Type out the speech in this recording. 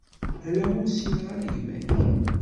Ala, ur ssineɣ ara gma-k.